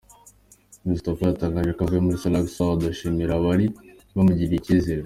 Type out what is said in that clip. Christopher yatangaje ko avuye muri Salax Awards ashimira abari bamugiriye icyizere.